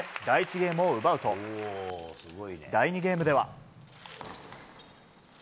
ゲームを奪うと第２ゲームでは。